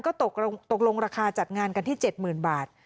ก็ตกลงราคาจัดงานกันที่เจ็ดหมื่นบาท